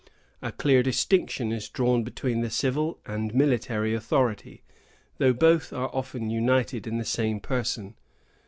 A clear distinction is drawn between the civil and military authority, though both are often united in the same person.